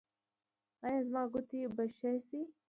ایا زما ګوتې به ښې شي؟